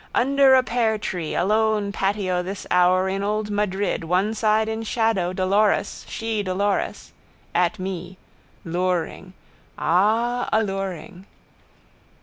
Under a peartree alone patio this hour in old Madrid one side in shadow Dolores shedolores. At me. Luring. Ah, alluring.